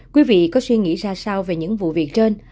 quý vị có suy nghĩ ra sao về những vụ việc trên